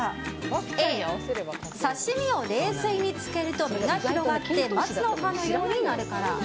Ａ、刺し身を冷水につけると身が広がって松の葉のようになるから。